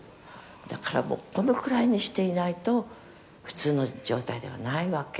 「だからもうこのくらいにしていないと普通の状態ではないわけ」